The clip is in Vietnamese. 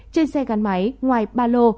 trên xe gắn máy ngoài ba lô